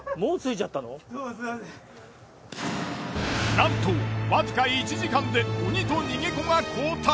なんとわずか１時間で鬼と逃げ子が交代！